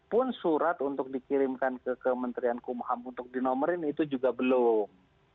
pun surat untuk dikirimkan ke kementerian kumham untuk dinomerin itu juga belum